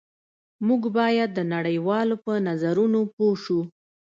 موږ باید د نړۍ والو په نظرونو پوه شو